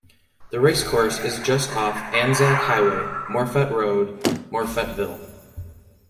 The racecourse is just off Anzac Highway, Morphett Road, Morphettville.